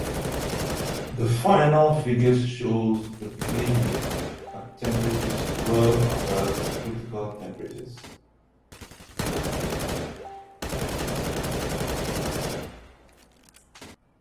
The final figures shows the behavior at temperatures well above the critical temperatures.